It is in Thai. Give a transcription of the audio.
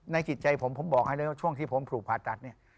จิตใจผมผมบอกให้เลยว่าช่วงที่ผมถูกผ่าตัดเนี่ย